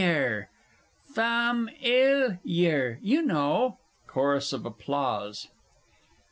_ "Fame" "ill" "liar," you know. [_Chorus of applause.